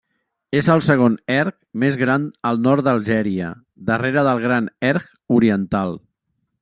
És el segon erg més gran al nord d'Algèria, darrere del Gran erg oriental.